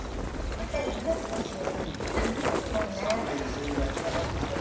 やっぱり２月だし寒いですもんね。